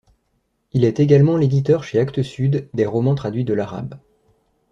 Il est également l'éditeur chez Actes Sud des romans traduit de l'arabe.